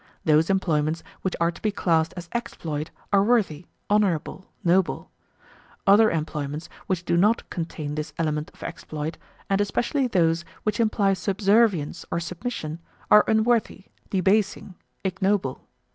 Those employments which are to be classed as exploit are worthy, honourable, noble; other employments, which do not contain this element of exploit, and especially those which imply subservience or submission, are unworthy, debasing, ignoble.